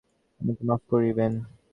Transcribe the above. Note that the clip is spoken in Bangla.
আমাকে মাপ করিবেন।